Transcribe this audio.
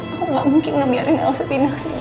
aku gak mungkin ngebiarin elsa pindah ke sini